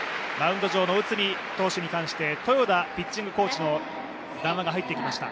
マウンド上の内海投手に関して、豊田ピッチングコーチの談話が入ってきました。